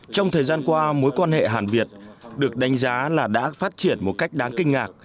trong thời gian qua mối quan hệ hàn việt được đánh giá là đã phát triển một cách đáng kinh ngạc